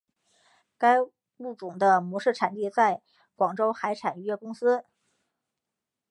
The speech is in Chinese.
该物种的模式产地在广州海产渔业公司。